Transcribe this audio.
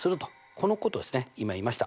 このことですね今言いました。